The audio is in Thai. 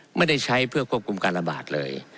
ไม่ได้ใช้เพื่อควบคุมการระบาดเลย